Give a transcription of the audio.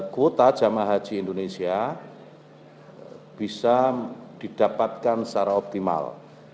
kuota jemaah haji indonesia bisa didapatkan secara optimal